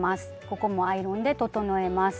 ここもアイロンで整えます。